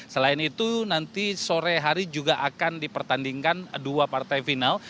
selain itu nanti sore hari juga akan dipertandingkan dua partai final